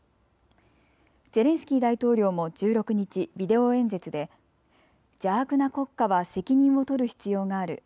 ゼレンスキー大統領も１６日、ビデオ演説で邪悪な国家は責任を取る必要がある。